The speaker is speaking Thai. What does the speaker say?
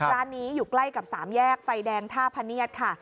ร้านนี้อยู่ใกล้กับสามแยกไฟแดงท่าพะเนียดค่ะ